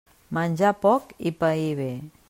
Menjar poc i pair bé.